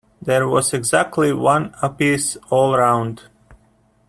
There was exactly one a-piece all round.